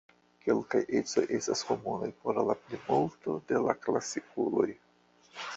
Kelkaj ecoj estas komunaj por la plimulto de la klasikuloj.